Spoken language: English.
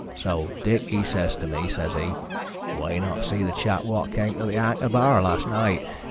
So Dick says to me, says he, 'Why not see the chap wot came into th' Anchor bar last night?